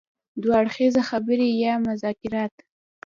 دوه اړخیزه خبرې يا مذاکرات.